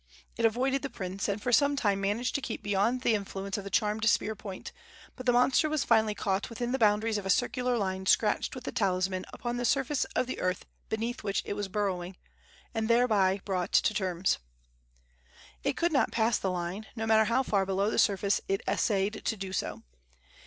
It avoided the prince, and for some time managed to keep beyond the influence of the charmed spear point; but the monster was finally caught within the boundaries of a circular line scratched with the talisman upon the surface of the earth beneath which it was burrowing, and thereby brought to terms. It could not pass the line, no matter how far below the surface it essayed to do so.